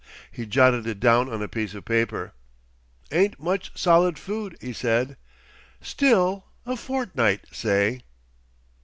He jotted it down on a piece of paper. "'Ain't much solid food," he said. "Still A fortnight, say!